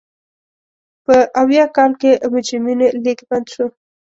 په ویاه کال کې مجرمینو لېږد بند شو.